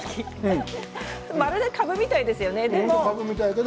まるでかぶみたいですよね。